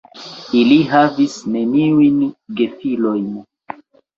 Ili havis neniujn gefilojn.